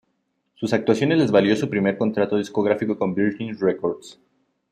Sus actuaciones les valió su primer contrato discográfico con Virgin Records.